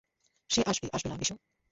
সে আসবে, আসবে না, বিশু?